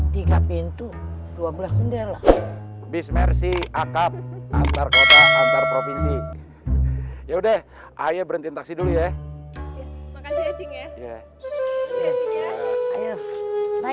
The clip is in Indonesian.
tiga pintu dua belas jendela bis mercy akab antar kota antar provinsi ya udah ayo berhenti taksi dulu ya